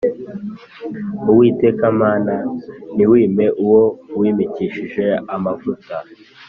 Uwiteka Mana ntiwime uwo wimikishije amavuta